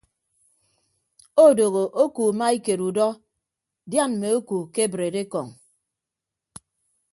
Odooho oku maikeed udọ dian mme oku kebreed ekọñ.